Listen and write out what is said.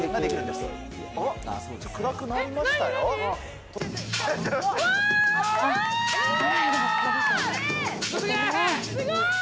すごい！